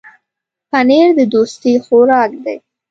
پنېر د دوستۍ خوراک دی.